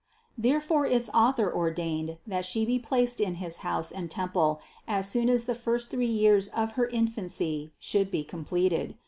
Therefore its Author ordained that She be placed in his house and temple as soon as the first three years of her infancy should be completed.